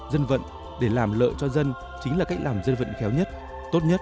dân vận để làm lợi cho dân chính là cách làm dân vận khéo nhất tốt nhất